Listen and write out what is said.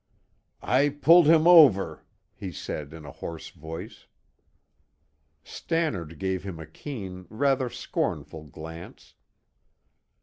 "I pulled him over," he said in a hoarse voice. Stannard gave him a keen, rather scornful glance.